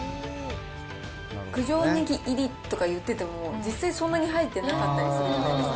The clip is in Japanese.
九条ネギ入りとか言ってても、実際、そんなに入ってなかったりするじゃないですか。